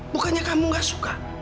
bukannya kamu nggak suka